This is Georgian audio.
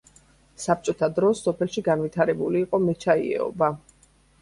საბჭოთა დროს სოფელში განვითარებული იყო მეჩაიეობა.